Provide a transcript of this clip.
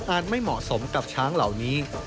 ไม่เหมาะสมกับช้างเหล่านี้